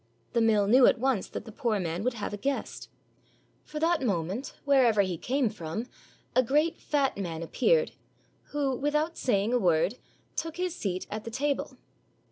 The mill knew at once that the poor man would have a guest; for that moment, wher ever he came from, a great fat man appeared, who, with out saying a word, took his seat at the table.